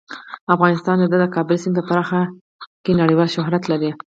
افغانستان د د کابل سیند په برخه کې نړیوال شهرت لري.